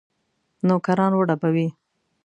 نوکران وډبوي.